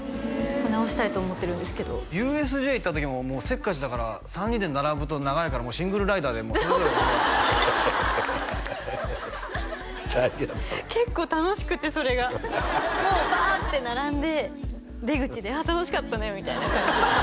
直したいと思ってるんですけどＵＳＪ行った時もせっかちだから３人で並ぶと長いからシングルライダーでもうそれぞれ乗ろうって何やそれ結構楽しくてそれがもうバーッて並んで出口で「楽しかったね」みたいな感じ